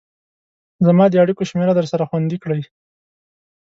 زما د اړيكو شمېره درسره خوندي کړئ